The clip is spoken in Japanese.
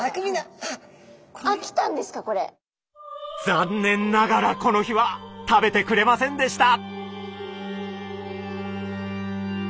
残念ながらこの日は食べてくれませんでした。